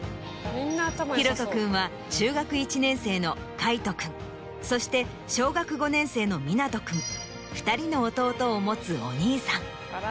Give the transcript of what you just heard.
洋翔君は中学１年生の海翔君そして小学５年生の湊翔君２人の弟を持つお兄さん。